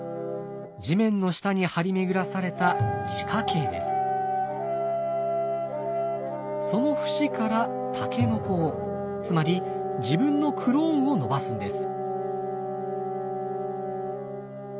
地面の下に張り巡らされたその節からタケノコをつまり自分のクローンを伸ばすんです。